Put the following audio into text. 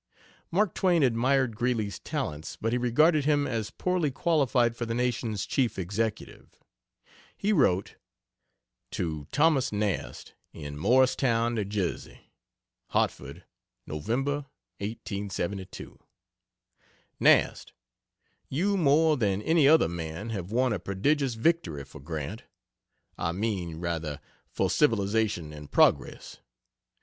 Mark Twain admired Greeley's talents, but he regarded him as poorly qualified for the nation's chief executive. He wrote: To Th. Nast, in Morristown, N. J.: HARTFORD, Nov. 1872. Nast, you more than any other man have won a prodigious victory for Grant I mean, rather, for civilization and progress.